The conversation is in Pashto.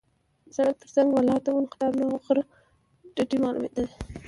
د سړک تر څنګ ولاړ د ونو قطارونه او د غره ډډې معلومېدلې.